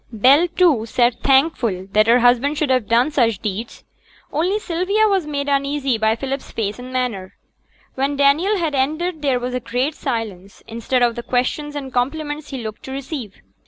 Bell, too, sate thankful that her husband should have done such deeds. Only Sylvia was made uneasy by Philip's face and manner. When Daniel had ended there was a great silence, instead of the questions and compliments he looked to receive.